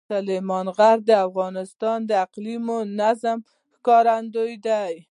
سلیمان غر د افغانستان د اقلیمي نظام ښکارندوی ده.